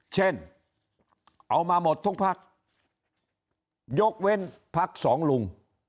เช่นเอามาหมดทุกพักยกเว้นพักสองลุง